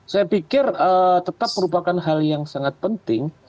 saya pikir tetap merupakan hal yang sangat penting